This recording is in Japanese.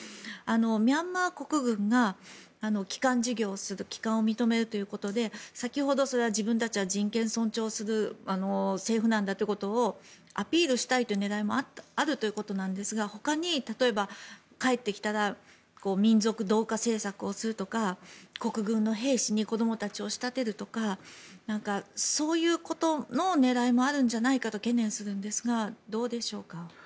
ミャンマー国軍が帰還事業をする帰還を認めるということで先ほど、自分たちは人権尊重をする政府だということをアピールしたいという狙いもあるということなんですが他に例えば、帰ってきたら民族同化政策をするとか国軍の兵士に子供たちを仕立てるとかそういうことの狙いもあるんじゃないかと懸念するんですがどうでしょうか？